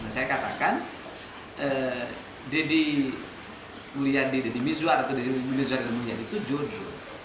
saya katakan deddy mulyadi dan deddy miswar itu jodoh